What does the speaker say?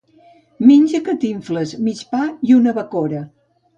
Menja que t'infles: mig pa i una bacora.